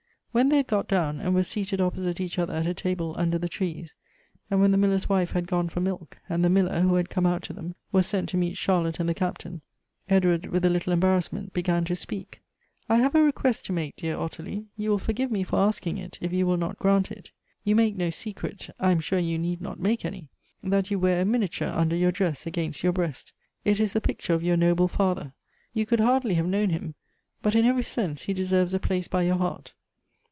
When they had got down, and were seated opposite each other at a table under the trees, and when the miller's wife had gone for milk, and the miller, who _ had come out to them, was sent to meet Charlotte and the Captain, Edward, with a little embarrassment, began to speak : "I have a request to make, dear Ottilie; you will forgive me for asking it, if you will not grant it. You make no secret (I am sure you need not make any,) that you wear a miniature under your dress against your breast. It is the picture of your noble father. You could hardly have known him ; but in every sense he deserves a place by your heart.